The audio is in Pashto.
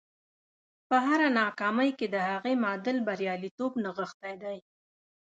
په هره ناکامۍ کې د هغې معادل بریالیتوب نغښتی دی